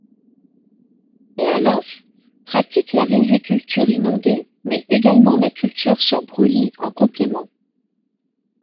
Les Alas pratiquent la riziculture inondée mais également la culture sur brûlis en complément.